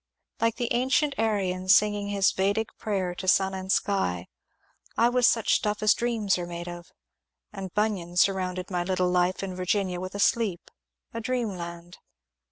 Like the ancient Aryan singing his Vedic prayer to sun and sky, I was such stuff as dreams are made of 9 and Bunyan surrounded my little life in Virginia with a sleep, — a dreamland.